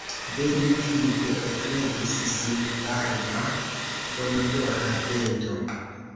De lia flugo eklevis sin varma, bonodora vento.